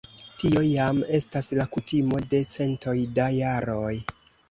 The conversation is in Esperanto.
Tio jam estas la kutimo de centoj da jaroj.